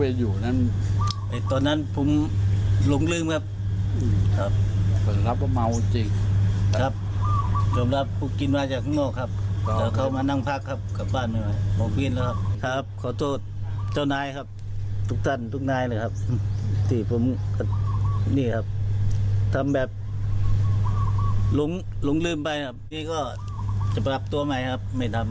ลงลืมไปครับก็จะไปหลับตัวไม๊ครับไม่ทำ